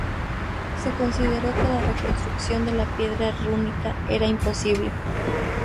Se consideró que la reconstrucción de la piedra rúnica era imposible.